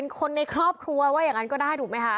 คนในครอบครัวว่าอย่างนั้นก็ได้ถูกไหมคะ